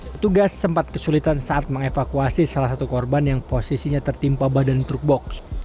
petugas sempat kesulitan saat mengevakuasi salah satu korban yang posisinya tertimpa badan truk box